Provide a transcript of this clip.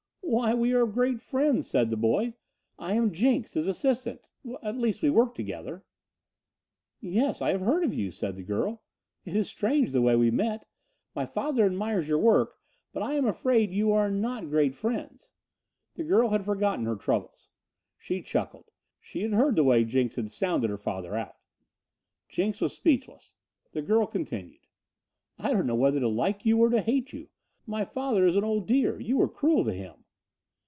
"Why, we are great friends," said the boy. "I am Jenks, his assistant at least we work together." "Yes, I have heard of you," said the girl. "It is strange, the way we met. My father admires your work, but I am afraid you are not great friends." The girl had forgotten her troubles. She chuckled. She had heard the way Jenks had "sounded" her father out. Jenks was speechless. The girl continued: "I don't know whether to like you or to hate you. My father is an old dear. You were cruel to him."